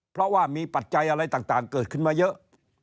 เพราะว่ามีปัจจัยอะไรต่างเกิดขึ้นมาเยอะ